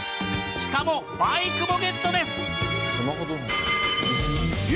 しかもバイクもゲットです。